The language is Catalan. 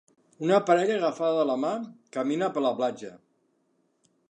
Una parella agafada de la mà camina per la platja.